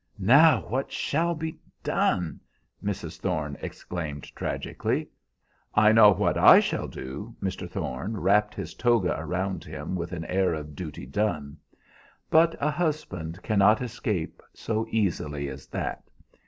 "Now what shall be done!" Mrs. Thorne exclaimed tragically. "I know what I shall do!" Mr. Thorne wrapped his toga around him with an air of duty done. But a husband cannot escape so easily as that.